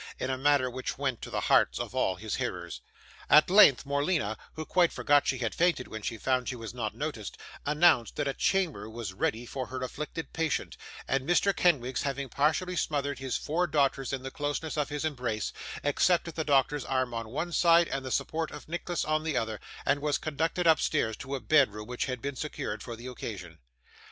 in a manner which went to the hearts of all his hearers. At length, Morleena (who quite forgot she had fainted, when she found she was not noticed) announced that a chamber was ready for her afflicted parent; and Mr. Kenwigs, having partially smothered his four daughters in the closeness of his embrace, accepted the doctor's arm on one side, and the support of Nicholas on the other, and was conducted upstairs to a bedroom which been secured for the occasion.